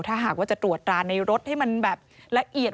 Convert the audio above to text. ถ้าหากว่าจะตรวจตราในรถให้มันแบบละเอียด